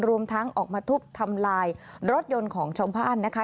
รวมทั้งออกมาทุบทำลายรถยนต์ของชาวบ้านนะคะ